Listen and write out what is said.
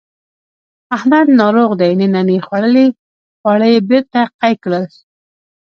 احمد ناروغ دی ننني خوړلي خواړه یې بېرته قی کړل.